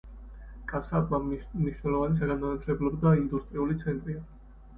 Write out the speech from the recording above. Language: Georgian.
კაასაპა მნიშვნელოვანი საგანმანათლებლო და ინდუსტრიული ცენტრია.